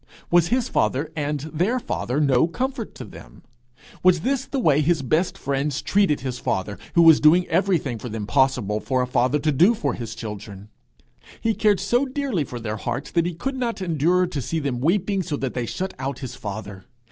Was his father and their father no comfort to them? Was this the way his best friends treated his father, who was doing everything for them possible for a father to do for his children! He cared so dearly for their hearts that he could not endure to see them weeping so that they shut out his father.